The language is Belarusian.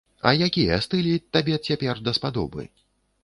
А якія стылі табе цяпер даспадобы?